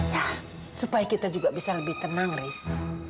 ya supaya kita juga bisa lebih tenang riz